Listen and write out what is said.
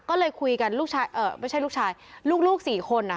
ก็เลยคุยกันลูกชายไม่ใช่ลูกชายลูก๔คน